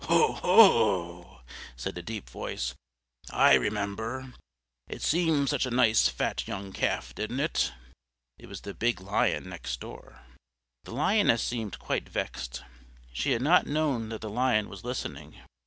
"Ho, ho, ho!" said a deep voice. "I remember! It seemed such a nice fat young calf, didn't it?" It was the big Lion next door. The Lioness seemed quite vexed; she had not known that the Lion was listening.